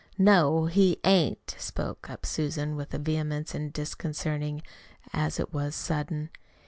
"No, he ain't," spoke up Susan with a vehemence as disconcerting as it was sudden.